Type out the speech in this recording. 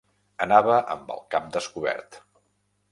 Anava amb el cap descobert